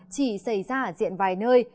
chỉ xảy ra ở diện vài nơi